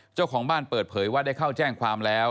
เจ้าของบ้านเปิดเผยว่าได้เข้าแจ้งความแล้ว